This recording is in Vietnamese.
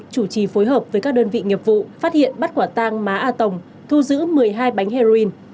chủ trì phối hợp với các đơn vị nghiệp vụ phát hiện bắt quả tang má a tổng thu giữ một mươi hai bánh heroin